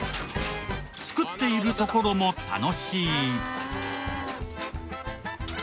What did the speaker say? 作っているところも楽しい。